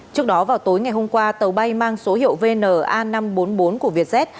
trước đó vào tối ngày hôm qua tàu bay mang số hiệu vn a năm trăm bốn mươi bốn của vietjet